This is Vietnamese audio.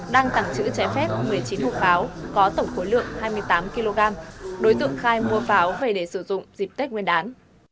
đang tàng trữ trái phép một mươi chín hộp pháo có tổng khối lượng hai mươi tám kg đối tượng khai mua pháo về để sử dụng dịp tết nguyên đán